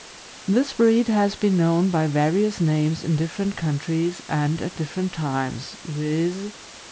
This breed has been known by various names in different countries and at different times, viz.